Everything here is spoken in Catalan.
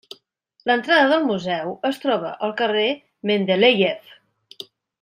L'entrada del museu es troba al carrer Mendeléiev.